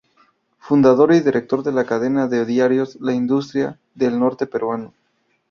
Fundador y director de la cadena de diarios "La Industria" del norte peruano.